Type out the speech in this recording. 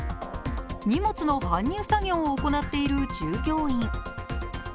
荷物の搬入作業を行っている従業員。